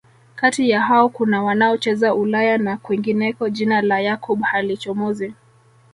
Kati ya hao kuna wanaocheza Ulaya na kwingineko Jina la Yakub halichomozi